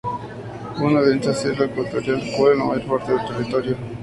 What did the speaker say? Una densa selva ecuatorial cubre la mayor parte del territorio.